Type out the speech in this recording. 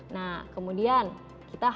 nah kemudian kita harus kondisikan suhu